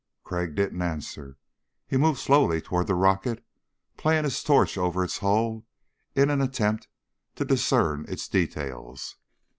Crag didn't answer. He moved slowly toward the rocket, playing his torch over its hull in an attempt to discern its details.